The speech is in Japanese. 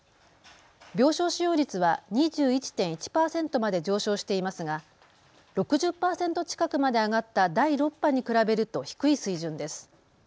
病床使用率は２１．１％まで上昇していますが６０％近くまで上がった第６波に比べると低い水準です。